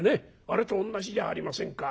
あれと同じじゃありませんか。